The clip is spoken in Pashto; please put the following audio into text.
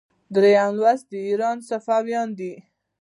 دریم لوست د ایران صفویان دي.